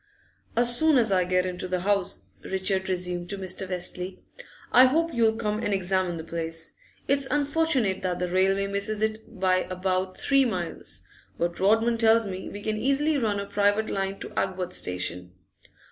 'As soon as I get into the house,' Richard resumed to Mr. Westlake, 'I hope you'll come and examine the place. It's unfortunate that the railway misses it by about three miles, but Rodman tells me we can easily run a private line to Agworth station.